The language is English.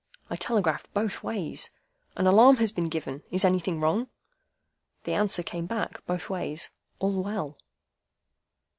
I telegraphed both ways, 'An alarm has been given. Is anything wrong?' The answer came back, both ways, 'All well.